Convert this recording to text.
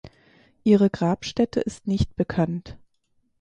Ihre Grabstätte ist nicht bekannt.